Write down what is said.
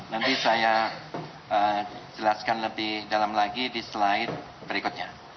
nanti saya jelaskan lebih dalam lagi di slide berikutnya